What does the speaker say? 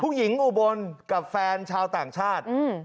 ผู้หญิงอุบลกับแฟนชาวต่างชาติอืม